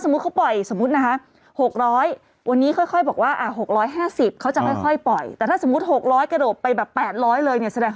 มันนำเท่าไหร่